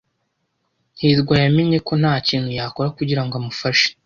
hirwa yamenye ko ntakintu yakora kugirango amufashe.